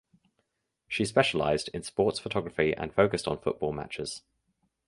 She specialized in sports photography and focused on football matches.